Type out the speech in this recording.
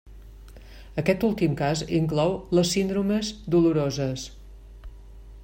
Aquest últim cas inclou les síndromes doloroses.